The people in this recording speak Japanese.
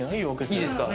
いいですか？